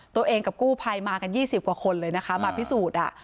กับกู้ภัยมากัน๒๐กว่าคนเลยนะคะมาพิสูจน์